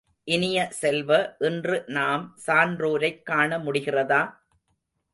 இனிய செல்வ, இன்று நாம் சான்றோரைக் காண முடிகிறதா?